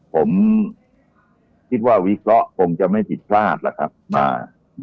ผมคิดว่าวิเคราะห์คงจะไม่ผิดพลาดแล้วครับมา